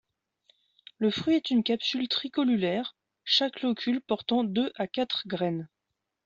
Le fruit est une capsule tricolulaire, chaque locule portant deux à quatre graines.